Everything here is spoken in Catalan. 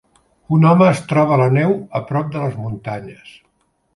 Un home es troba a la neu a prop de les muntanyes.